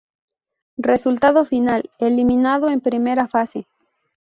Resultado final: Eliminado en primera fase.